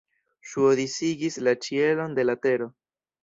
Ŝuo disigis la ĉielon de la tero.